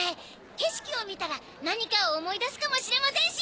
景色を見たら何かを思い出すかもしれませんし！